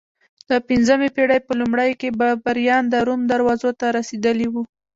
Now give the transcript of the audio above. د پنځمې پېړۍ په لومړیو کې بربریان د روم دروازو ته رسېدلي وو